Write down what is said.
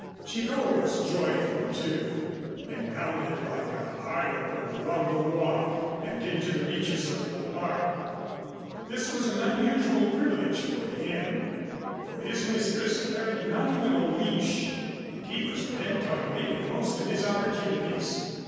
Chicot was joyful, too, and bounded like a harlequin along the walk and into the reaches of the Park. This was an unusual privilege for him, for his mistress carried not even a leash, and he was bent on making the most of his opportunities.